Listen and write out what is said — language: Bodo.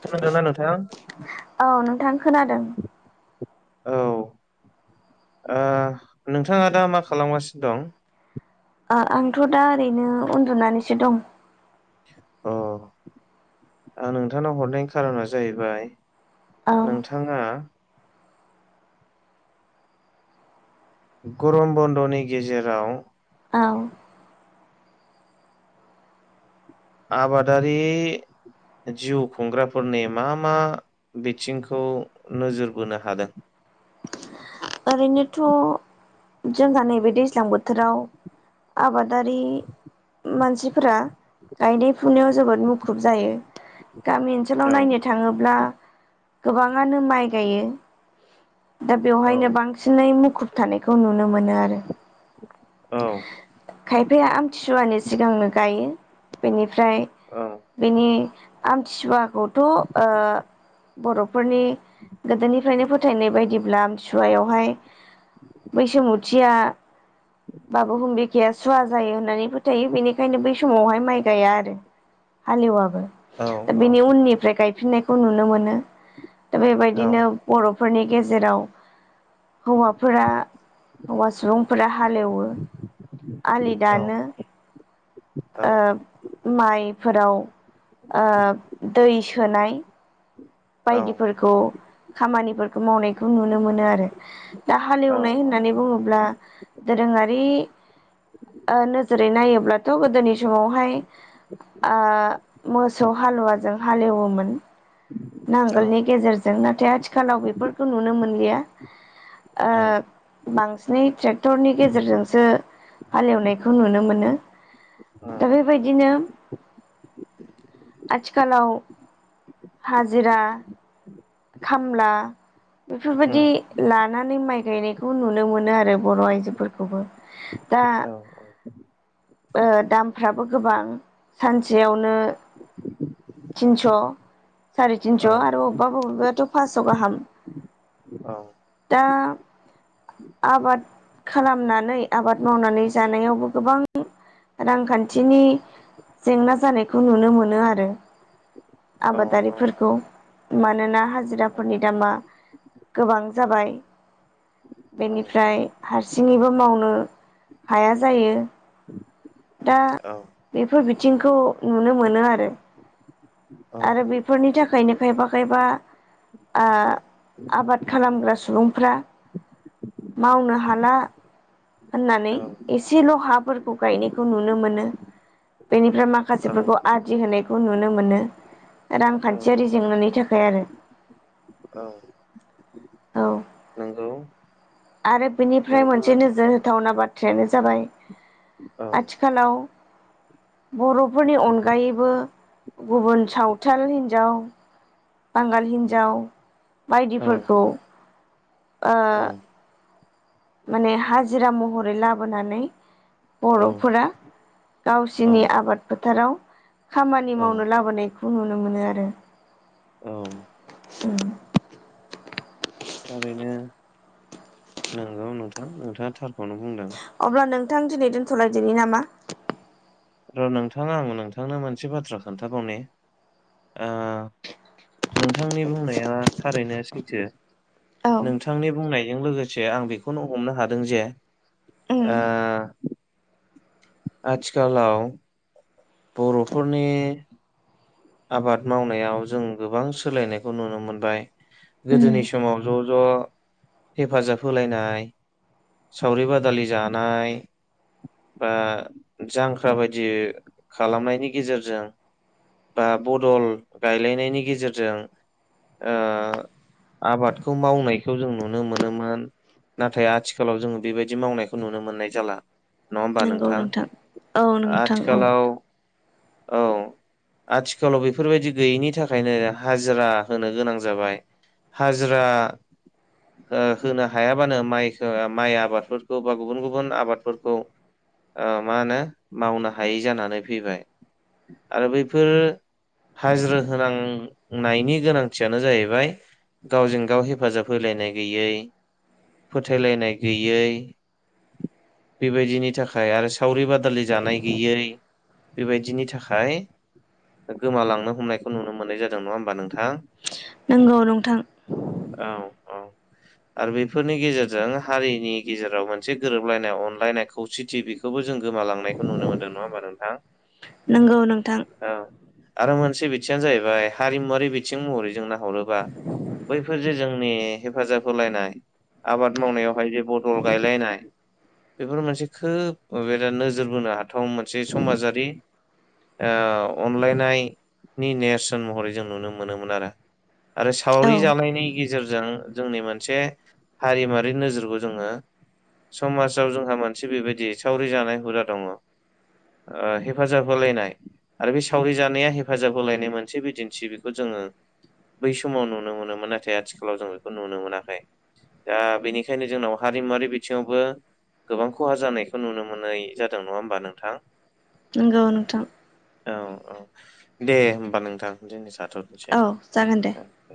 [unintelligible] औ नोंथां खोनादों औ नोंथाङा दा मा खालामगासिनो दं? आंथ' दा ओरैनो उन्दुनानैसो दं। अ आं नोंथांनाव हरनायनि खारना जाहैबाय औ नोंथाङा। गरम बन्द'नि गेजेराव औ। आबादारि जिउ खुंग्राफोरनि मा मा बिथिंखौ नोजोर बोनो हादों ओरैनोथ' जोंहा नैबे दैज्लां बोथोराव आबादारि मानसिफोरा गायनाय फुनायाव जोबोद मुखुब जायो गामि ओनसोलाव औ नायनो थाङोब्ला गोबाङानो माइ गायो दा औ बेवहायनो बांसिनै मुखुब थानायखौ नुनो मोनो आरो औ खायफाया आमथिसुवानि सिगांनो गायो बेनिफ्राय औ बिनि आमथिसुवाखौथ' बर'फोरनि गोदोनिफ्रायनो फो थायनाय बायदिब्ला आमसुवायावहाय बैसोमुथिया बा बुहुम बि खाया सुवा जायो होननानै फोथायो बेनिखायनो बै समावहाय माइ गाया आरो हालेवाबो औ दा औ बिनि उननिफ्राय गायफिननायखौ नुनो मोनो दा औ बेबायदिनो बर'फोरनि गेजेराव हौवाफोरा हौवा सुबुंफोरा हालेवो आलि औ दानो औ माइफोराव दै सोनाय बायदिफोरखौ खामानिफोरखौ मावनाय खौ नुनो मोनो आरो दा औ हालेवनाय होननानै बुङोब्ला दोरोङारि नोजोरै नायोब्लाथ' गोदोनि समावहाय मोसौ हालुवाजों हालेवोमोन औ नांगोलनि गेजेरजों नाथाय आथिखालाव बेफोरखौ नुनो मोनलिया उम बांसिनै ट्रेक्टरनि गेजेरजोंसो हालेवनायखौ नुनो मोनो दा उम बेबायदिनो आथिखालाव हाजिरा खामला बेफोरबायदि उम लानानै माइ गायनाय खौ नुनो मोनो आरो बर' आइजोफोरखौबो दा औ दामफ्राबो गोबां सानसेयावनो तिनस' साराय औ तिनस' आरो अबबा बबेबायाथ' फासस' गाहाम औ दा आबाद खालामनानै आबाद मावनानै जानायावबो गोबां रांखान्थिनि जेंना जानायखौ नुनो मोनो आरो औ आबादारिफोरखौ मानोना हाजिराफोरनि दामा गोबां जाबाय औ बेनिफ्राय हारसिङैबो मावनो हाया जायो दा औ औ बेफोर बिथिंखौ नुनो मोनो आरो औ आरो बेफोरनि थाखायनो खायफा खायफा आबाद खालामग्रा सुबुंफ्रा मावनो हाला होननानै एसेल' हाफोरखौ गायनायखौ नुनो मोनो। बेनिफ्राय औ माखासेफोरखौ आदि होनायखौ नुनो मोनो। औ रांखान्थियारि जेंनानि थाखाय आरो औ औ नंगौ आरो बिनिफ्राय नोंथाङा मोनसे नोजोर होथावना बाथ्रायानो जाबाय औ आथिखालाव बर'फोरनि अनगायैबो गुबुन सावथाल हिनजाव बांगाल हिन्जाव औ बायदिफोरखौ ओ औ माने हाजिरा महरै लाबोनानै बर'फोरा औ गावसिनि आबाद फोथाराव खामानि औ मावनो लाबोनायखौ नुनो मोनो आरो औ [inaudible] थारैनो नंगौ नोंथां नोंथाङा थारखौनो बुंदों अब्ला नोंथां दिनै दोनथ'लायदोनि नामा र' नोंथां आं नोंथांनो मोनसे बाथ्रा खोन्थाबावनि ओ नोंथांनि बुंनाया थारैनो सैथो औ नोंथांनि बुंनायजों लोगोसे आं बेखौनो हमनो हादों जे उम ओ आथिखालाव बर'फोरनि आबाद मावनायाव जों गोबां सोलायनायखौ नुनो मोनबाय उम गोदोनि समाव ज' ज' हेफाजाब होलायनाय सावरि बादालि जानाय बा जांख्रा बायदि खालामनायनि गेजेरजों बा बदल गायलायनायनि गेजेरजों ओ आबादखौ मावनायखौ जों नुनो मोनोमोन। नाथाय आथिखालाव जोङो बेबायदि मावनायखौ नुनो मोननाय जाला नङा होमबा नोंथां औ नोंथां औ आथिखालाव औ आथिखालाव बेफोरबायदि गैयैनि थाखायनो हाजिरा होनो गोनां जाबाय हाजिरा होनो हायाबानो माइखौ माइ आबादफोरखौ बा गुबुन गुबुन आबादफोरखौ ओ मा होनो मावनो हायै जानानै फैबाय आरो बैफोर हाजिरा होनांनायनि गोनांथियानो जाहैबाय गावजों गाव हेफाजाब होलायनाय गैयै फोथायलायनाय गैयै बेबायदिनि थाखाय आरो सावरि बादालि जानाय गैयै बेबायदिनि थाखाय गोमालांनो हमनायखौ नुनो मोननाय जादों नङा होमबा नोंथां नंगौ नोंथां औ औ आरो बेफोरनि गेजेरजों हारिनि गेजेराव मोनसे गोरोबलायनाय अनलायनाय खौसेथि बे खौबो जों गोमालांनायखौ नुनो मोनदों नङा होमबा नोंथां नंगौ नोंथां औ आरो मोनसे बिथिङानो जाहैबाय हारिमुवारि बिथिं महरै जों नाहरोबा बैफोर जे जोंनि हेफाजाब होलायनाय आबाद मावनायावहाय जे बदल गायलायनाय बेफोर मोनसे खोब बेराद नोजोर बोनो हाथाव मोनसे समाजारि अनलायनायनि नेरसोन महरै जों नुनो मोनोमोन आरो आरो औ सावरि जानायनि गेजेरजों जोंनि मोनसे हारिमुवारि नोजोरखौ जोङो समाजाव जोंहा मोनसे बेबायदि सावरि जानाय हुदा दङ हेफाजाब होलायनाय आरो बे सावरि जानाया हेफाजाब होलायनाय मोनसे बिदिन्थि बेखौ जोङो बै समाव नुनो मोनोमोन नाथाय आथिखालाव जों बेखौ नुनो मोनाखै दा बेनिखायनो जोंनाव हारिमुवारि बिथिङावबो गोबां खहा जानायखौ नुनो मोननाय जादों नङा होमबा नोंथां? नोंगौ नोंथां। औ औ दे होमबा नोंथां दिनै जाथ'नोसै। औ जागोन दे। औ